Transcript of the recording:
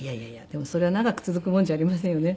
でもそれは長く続くもんじゃありませんよね。